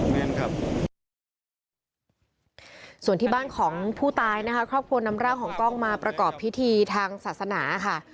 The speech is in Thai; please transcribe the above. ส่วนที่บ้านของผู้ตายนะคะครอบครัวนำร่างของกล้องมาประกอบพิธีทางศาสนาค่ะ